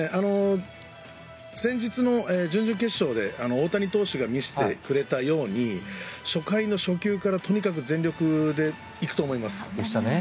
先日の準々決勝で大谷投手が見せてくれたように初回の初球からとにかく全力で行くと思います。